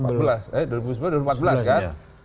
eh dua ribu empat belas kan